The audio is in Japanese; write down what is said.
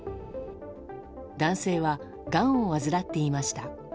男性は、がんを患っていました。